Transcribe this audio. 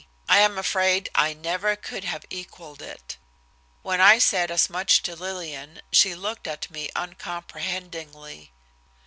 I am afraid I never could have equaled it. When I said as much to Lillian, she looked at me uncomprehendingly.